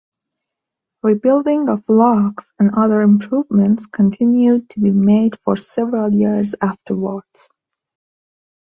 Rebuilding of locks and other improvements continued to be made for several years afterwards.